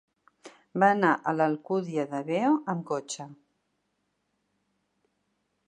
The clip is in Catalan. Va anar a l'Alcúdia de Veo amb cotxe.